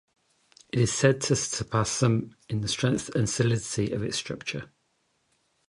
It is said to surpass them in the strength and solidity of its structure.